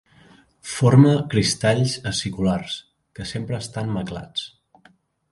Forma cristalls aciculars, que sempre estan maclats.